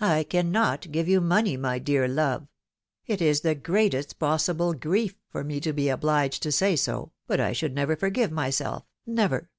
I cannot give you money, my dear love ! It is the greatest possible grief for me to be obliged to say so, but I should never forgive myself, never